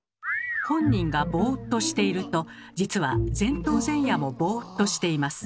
本人がボーっとしていると実は前頭前野もボーっとしています。